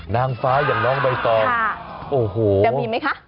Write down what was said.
นางฟ้าอย่างน้องใบตอมโอ้โหยังมีมั้ยคะ